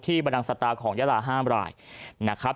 บรรดังสตาของยาลาห้ามรายนะครับ